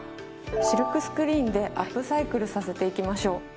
シルクスクリーンでアップサイクルさせていきましょう。